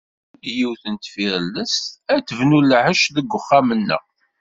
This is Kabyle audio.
Tekcem-d yiwet n tfirellest ad tebnu lɛecc deg uxxam-nneɣ.